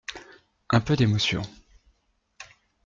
Un peu d’émotion…